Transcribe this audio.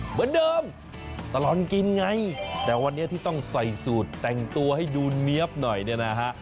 เหมือนเดิมตลอดกินไงแต่วันนี้ที่ต้องใส่สูตรแต่งตัวให้ดูเนี๊ยบหน่อยเนี่ยนะฮะ